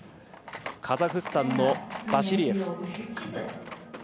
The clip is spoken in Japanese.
カザフスタンのバシリエフ。